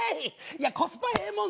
いやコスパええもんね！